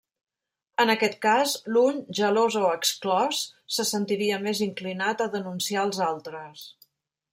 En aquest cas, l'un, gelós o exclòs, se sentiria més inclinat a denunciar els altres.